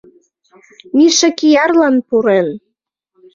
Миша киярлан пурен.